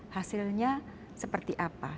hasilnya seperti apa